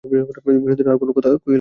বিনোদিনীও আর কোনো কথা কহিল না।